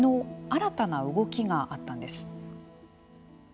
新たな動きがあったんです。